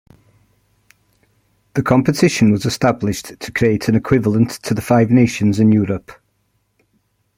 The competition was established to create an equivalent to the Five Nations in Europe.